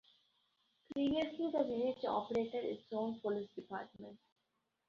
Previously the village operated its own police department.